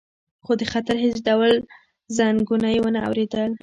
خو د خطر هیڅ ډول زنګونه یې ونه اوریدل